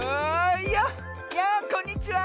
いやこんにちは！